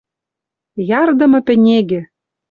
«Ярдымы пӹнегӹ